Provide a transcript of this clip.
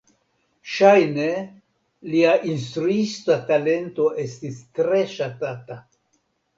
Ŝajne lia instruista talento estis tre ŝatata.